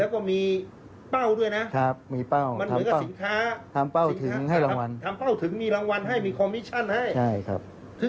แล้วก็มีเป้าด้วยนะมันเหมือนกับสินค้าทำเป้าถึงให้รางวัลมีคอมมิชชั่นให้ถึงขนาดนั้นเลยเหรอครับ